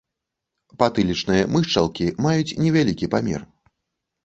Патылічныя мышчалкі маюць невялікі памер.